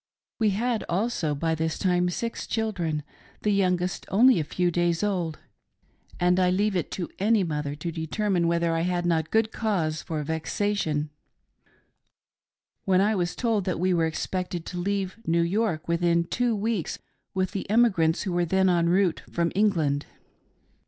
We had also by this time six children — the youngest only a few days old — and I leave it to any mother to determine whether I had not good cause for vexation when I was told that we were expected to leave New York within two weeks with the emigrants who were then en rotite from England.